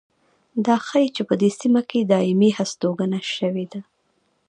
دا ښيي چې په دې سیمه کې دایمي هستوګنه شوې ده